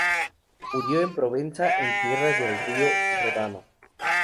Murió en Provenza, en tierras del río Ródano.